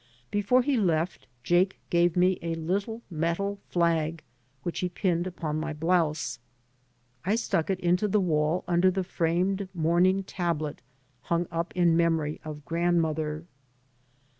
Before he left Jake gave me a little metal flag which he pinned upon my blouse. I stuck it into the wall under the framed mourning tablet hung up in memory of grandmother.